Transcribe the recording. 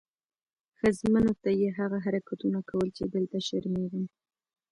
ښځمنو ته یې هغه حرکتونه کول چې دلته شرمېږم.